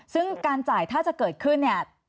ซึ่งการจ่ายถ้าจะเกิดขึ้นเนี่ย